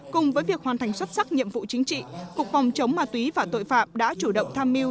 cùng với việc hoàn thành xuất sắc nhiệm vụ chính trị cục phòng chống ma túy và tội phạm đã chủ động tham mưu